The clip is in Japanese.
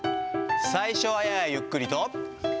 最初はややゆっくりと。